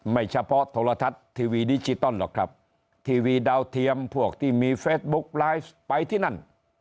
ไม่เฉพาะโทรทัศน์ทีวีดิจิตอลหรอกครับทีวีดาวเทียมพวกที่มีเฟซบุ๊กไลฟ์ไปที่นั่น